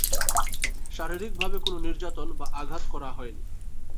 শারীরিকভাবে কোনো নির্যাতন বা আঘাত করা হয়নি।